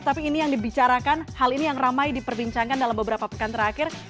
tapi ini yang dibicarakan hal ini yang ramai diperbincangkan dalam beberapa pekan terakhir